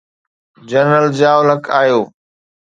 General Zia ul Haq آيو.